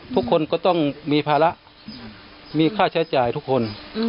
ทุกคนก็ต้องมีภาระมีค่าใช้จ่ายทุกคน